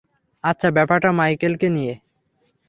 আচ্ছা, ব্যাপারটা মাইকেলকে নিয়ে।